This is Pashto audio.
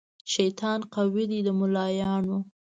شیطان قوي دی د ملایانو